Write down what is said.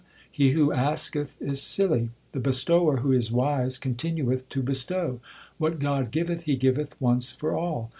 He who asketh is silly ; The Bestower who is wise continueth to bestow : What God giveth He giveth once for all.